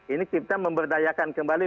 ini kita memberdayakan kembali